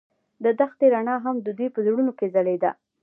د دښته رڼا هم د دوی په زړونو کې ځلېده.